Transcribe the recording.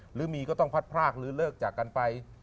หรือมีก็ต้องพัดพรากหรือเลิกจากกันไป